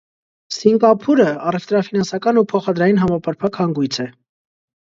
Սինկափուրը առևտրաֆինանսական ու փոխադրային համապարփակ հանգոյց է։